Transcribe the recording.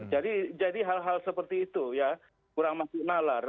jadi jadi hal hal seperti itu ya kurang makin malar